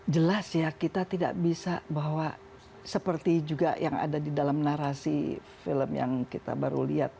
jelas ya kita tidak bisa bahwa seperti juga yang ada di dalam narasi film yang kita baru lihat